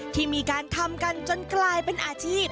ที่มีการทำกันจนกลายเป็นอาชีพ